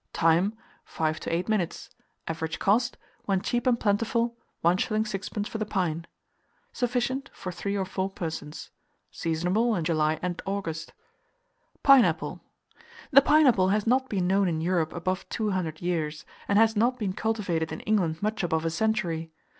Time. 5 to 8 minutes. Average cost, when cheap and plentiful, 1s. 6d. for the pine. Sufficient for 3 or 4 persons. Seasonable in July and August. PINEAPPLE. The pineapple has not been known in Europe above two hundred years, and has not been cultivated in England much above a century.